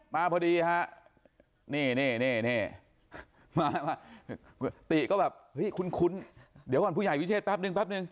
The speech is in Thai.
มาพอดีฮะนี่มาติก็แบบเฮ้ยคุ้นเดี๋ยวก่อนผู้ใหญ่วิเชษแป๊บนึงแป๊บนึง